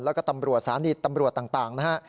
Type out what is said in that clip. แล้วก็ตำรวจสถานีตำรวจต่างนะฮะ